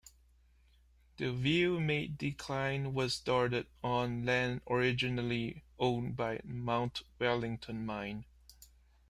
The Wheal Maid Decline was started, on land originally owned by Mount Wellington Mine.